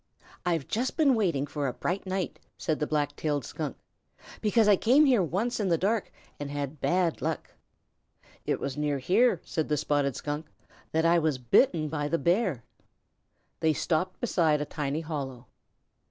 "I've just been waiting for a bright night," said the Black tailed Skunk, "because I came here once in the dark and had bad luck." "It was near here," said the Spotted Skunk, "that I was bitten by the Bear." They stopped beside a tiny hollow.